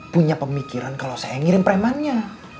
punya pemikiran kalau saya ngirim premannya